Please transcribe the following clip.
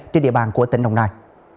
trên địa bàn của tỉnh đồng nai